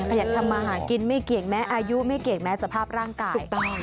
อยากทำมาหากินไม่เกี่ยงแม้อายุไม่เกี่ยงแม้สภาพร่างกาย